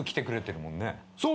そう。